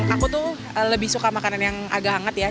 aku tuh lebih suka makanan yang agak hangat ya